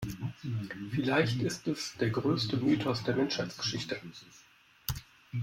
Vielleicht ist es der größte Mythos der Menschheitsgeschichte.